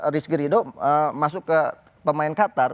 rizky ridho masuk ke pemain qatar